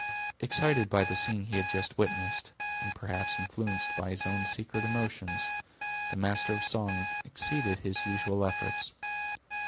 Excited by the scene he had just witnessed, and perhaps influenced by his own secret emotions, the master of song exceeded his usual efforts.